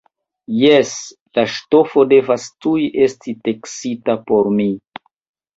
Jes, la ŝtofo devas tuj esti teksita por mi!